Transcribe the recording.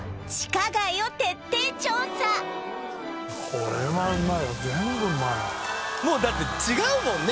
今夜は全部うまいもうだって違うもんね